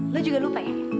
lo juga lupa ya